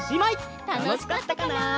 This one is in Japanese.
たのしかったかな？